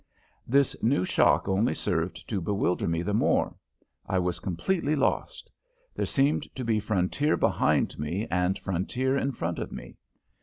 This new shock only served to bewilder me the more. I was completely lost. There seemed to be frontier behind me and frontier in front of me.